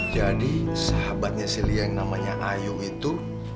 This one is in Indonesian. jadi sahabatnya si ria yang namanya ayu itu